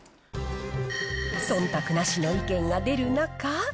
そんたくなしの意見が出る中。